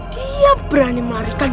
dia berani melarikan